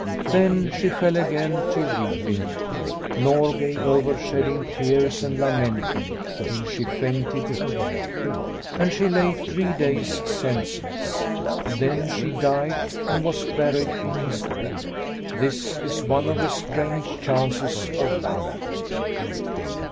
[FN#100]" Then she fell again to weeping, nor gave over shedding tears and lamenting till she fainted away; and she lay three days, senseless. Then she died and was buried in his grave. This is one of the strange chances of love.